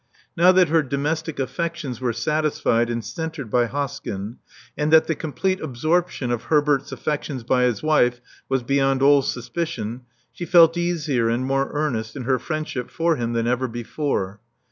Now that her domestic affections were satisfied and centred by Hoskyn, and that the complete absorption of Herbert's affections by his wife was beyond all suspicion, she felt easier and more earnest in her* friendship for him than ever before.